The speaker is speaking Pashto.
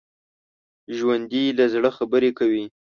ژوندي له زړه خبرې کوي